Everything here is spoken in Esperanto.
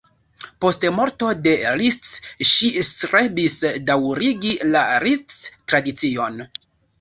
Post morto de Liszt ŝi strebis daŭrigi la Liszt-tradicion.